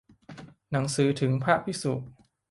หนังสือถึงพระภิกษุ